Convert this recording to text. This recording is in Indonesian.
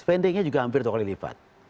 spendingnya juga hampir dua kali lipat